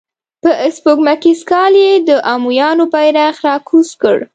په سپوږمیز کال یې د امویانو بیرغ را کوز کړ.